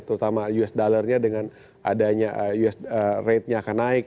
terutama us dollarnya dengan adanya us ratenya akan naik